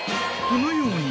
このように。